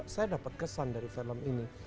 saya dapat kesan dari film ini